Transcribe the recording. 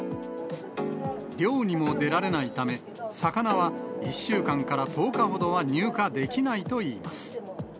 漁にも出られないため、魚は１週間から１０日ほどは入荷できないといいます。